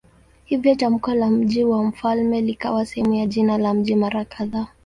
Hivyo tamko la "mji wa mfalme" likawa sehemu ya jina la mji mara kadhaa.